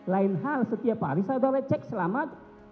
lain hal setiap hari saudara cek selamat